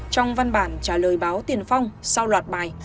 trong văn bản trả lời báo tiền phong sau loạt bài